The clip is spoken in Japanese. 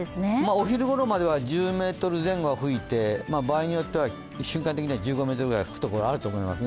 お昼ごろまでは１０メートル前後は吹いて、場合によっては瞬間的には１５メートルぐらい吹くところもありそうです。